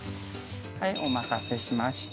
はいお待たせしました。